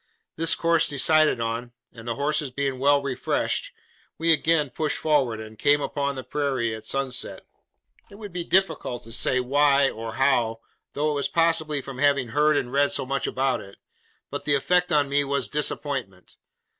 This course decided on, and the horses being well refreshed, we again pushed forward, and came upon the Prairie at sunset. It would be difficult to say why, or how—though it was possibly from having heard and read so much about it—but the effect on me was disappointment.